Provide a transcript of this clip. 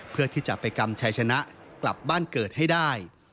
เพื่อที่จะไปกำชัยชนะกลับบ้านเกิดให้ได้